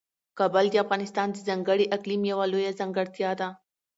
کابل د افغانستان د ځانګړي اقلیم یوه لویه ځانګړتیا ده.